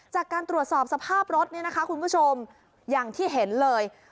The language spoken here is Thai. จากการตรวจสอบสภาพรถเนี่ยนะคะคุณผู้ชมอย่างที่เห็นเลย